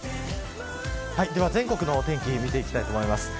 では全国のお天気見ていきたいと思います。